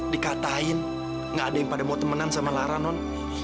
dikatain gak ada yang pada mau temenan sama lara non